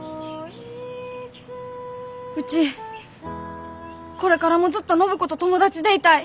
うちこれからもずっと暢子と友達でいたい。